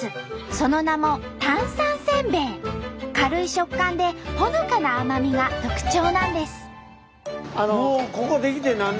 その名も軽い食感でほのかな甘みが特徴なんです。